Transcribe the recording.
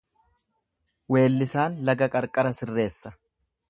Weellisaan laga qarqara sirreessa.